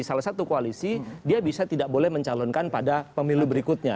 salah satu koalisi dia bisa tidak boleh mencalonkan pada pemilu berikutnya